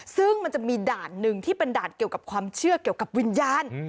ซึ่งมันจะมีด่านหนึ่งที่เป็นด่านเกี่ยวกับความเชื่อเกี่ยวกับวิญญาณ